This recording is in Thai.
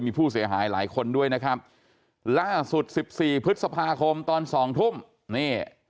มีผู้เสียหายหลายคนด้วยนะครับล่าสุดสิบสี่พฤษภาคมตอนสองทุ่มนี่